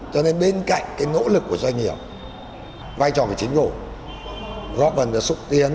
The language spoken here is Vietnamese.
cho nên bên cạnh nỗ lực của doanh nghiệp vai trò phải chính gồm góp phần súc tiến